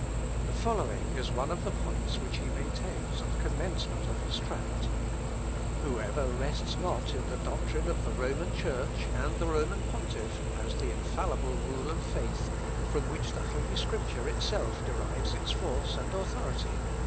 The following is one of the points which he maintains at the commencement of his tract: "Whoever rests not in the doctrine of the Roman Church, and the Roman pontiff, as the infallible rule of faith, from which the Holy Scripture itself derives its force and authority, is a heretic."